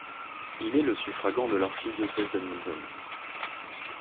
Il est le suffragant de l'archidiocèse d'Edmonton.